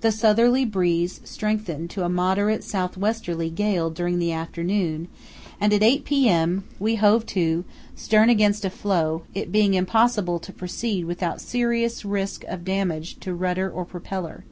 The southerly breeze strengthened to a moderate south westerly gale during the afternoon, and at 8 p.m. we hove to, stem against a floe, it being impossible to proceed without serious risk of damage to rudder or propeller.